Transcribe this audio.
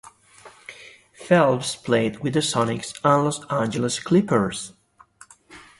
Phelps played with the Sonics and Los Angeles Clippers.